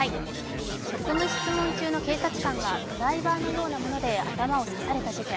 職務質問中の警察官がドライバーのようなもので頭を刺された事件。